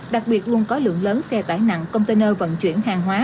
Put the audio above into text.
đặc biệt luôn có lượng lớn xe tải nặng container vận chuyển hàng hóa